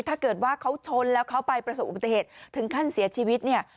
ถ้าเกิดว่าเขาชนแล้วเขาไปประสบอุบัติเหตุถึงขั้นเสียชีวิตเนี่ย